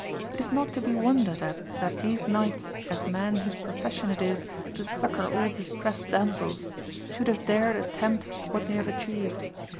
It is not to be wondered at that these knights as men whose profession it is to succour all distressed damsels, should have dared attempt whet they have atchieved.